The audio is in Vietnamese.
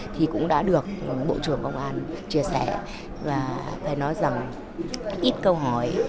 thì cũng đã được bộ trưởng công an chia sẻ và phải nói rằng ít câu hỏi